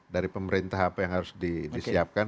dari pemerintah apa yang harus disiapkan